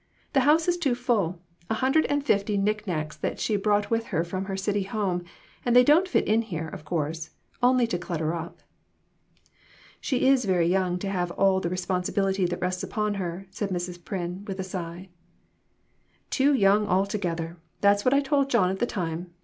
The house is too full ; a hundred and fifty nick nacks that she brought with her from her city home, and they don't fit in here, of course, only to clutter up." "She is very young to have all the responsi bility that rests upon her," said Mrs. Pryn, with a sigh. "Too young altogether; that's what I told John at the time.